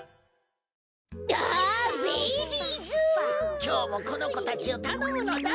きょうもこのこたちをたのむのだ。